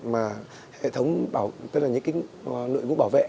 mà hệ thống tức là những cái nội vụ bảo vệ